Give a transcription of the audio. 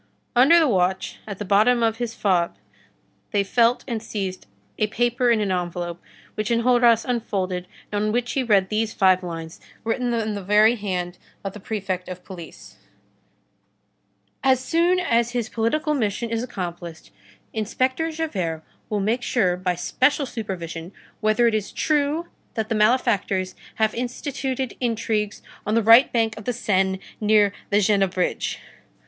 Under the watch, at the bottom of his fob, they felt and seized a paper in an envelope, which Enjolras unfolded, and on which he read these five lines, written in the very hand of the Prefect of Police:— "As soon as his political mission is accomplished, Inspector Javert will make sure, by special supervision, whether it is true that the malefactors have instituted intrigues on the right bank of the Seine, near the Jena bridge."